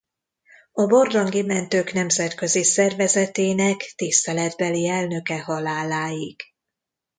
A barlangi mentők nemzetközi szervezetének tiszteletbeli elnöke haláláig.